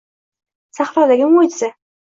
Sahrodagi mo‘jiza